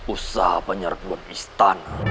usaha penyerbuan istana